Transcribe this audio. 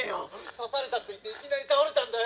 刺されたって言っていきなり倒れたんだよ！